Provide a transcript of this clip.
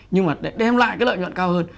nhưng mà để đem lại cái lợi nhuận cao hơn